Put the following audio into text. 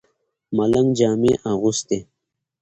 ملنګ جامې اغوستې.